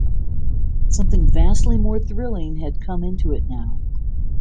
Something vastly more thrilling had come into it now.